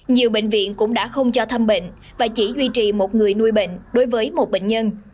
nhiều bệnh viện cũng đã không cho thăm bệnh và chỉ duy trì một người nuôi bệnh đối với một bệnh nhân